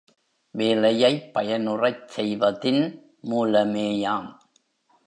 வேலையைப் பயனுறச் செய்வதின் மூலமேயாம்.